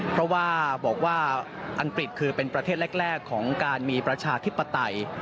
เพราะว่าบอกว่าอังกฤษคือเป็นประเทศแรกของการมีประชาธิปไตย